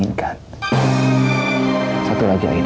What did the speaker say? supaya gak terjadi sesuatu yang gak kita inginkan